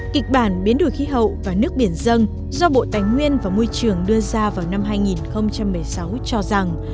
kịch bản biến đổi khí hậu và nước biển dân do bộ tài nguyên và môi trường đưa ra vào năm hai nghìn một mươi sáu cho rằng